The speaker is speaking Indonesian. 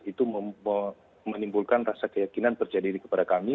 itu menimbulkan rasa keyakinan terjadi kepada kami